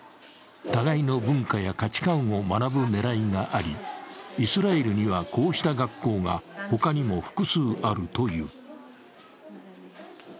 互いの文化や価値観を学ぶ狙いがあり、イスラエルにはこうした学校が他にも複数あるという。